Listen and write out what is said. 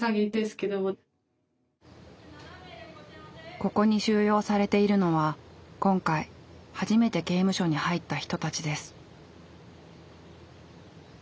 ここに収容されているのは今回初めて刑務所に入った人たちです。